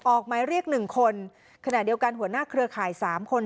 ออกหมายเรียก๑คนขณะเดียวกันหัวหน้าเครือข่าย๓คน